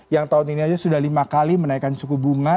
yang tahun ini aja sudah lima kali menaikkan suku bunga